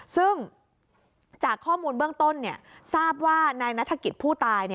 ซึ่งจากข้อมูลเบื้องต้นทราบว่านายนัฐกิจผู้ตาย